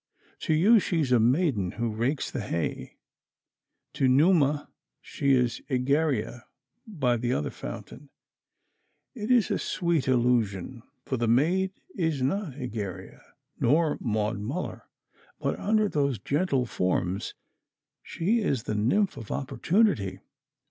To you she is a maiden who rakes the hay; to Numa she was Egeria by the other fountain. It is a sweet illusion, for the maid is not Egeria nor Maud Muller, but under those gentle forms she is the nymph of opportunity.